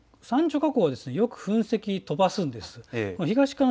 山頂火口はよく噴石を飛ばすんです。